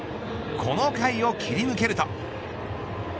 この回を切り抜けると。